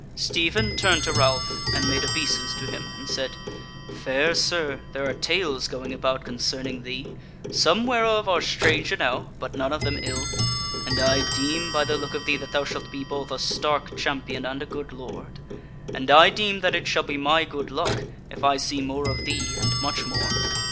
Stephen turned to Ralph and made obeisance to him and said: "Fair Sir, there are tales going about concerning thee, some whereof are strange enow, but none of them ill; and I deem by the look of thee that thou shalt be both a stark champion and a good lord; and I deem that it shall be my good luck, if I see more of thee, and much more.